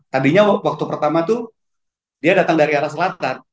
tadinya waktu pertama tuh dia datang dari arah selatan